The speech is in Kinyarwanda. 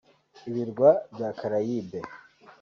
Ibirwa bya Caraïbes